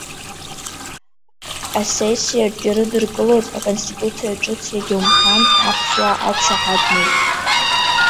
Асессиаҿ ирыдыркылоз Аконституциа ҿыц, иагьа умҳәан, аԥсуаа ақәшаҳаҭмызт.